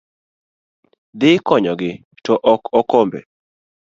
dhi konyogi, to ok okombe.